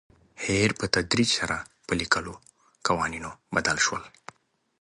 هیر په تدریج سره پر لیکلو قوانینو بدل شول.